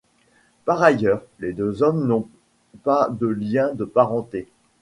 Par ailleurs, les deux hommes n'ont pas de lien de parenté.